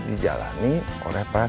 dijalani oleh pasan tawaf